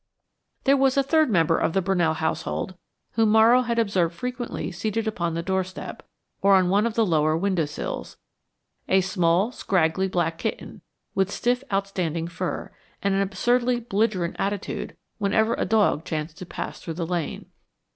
There was a third member of the Brunell household whom Morrow had observed frequently seated upon the doorstep, or on one of the lower window sills a small, scraggly black kitten, with stiff outstanding fur, and an absurdly belligerent attitude whenever a dog chanced to pass through the lane.